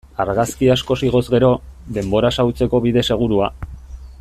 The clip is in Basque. Argazki asko igoz gero, denbora xahutzeko bide segurua.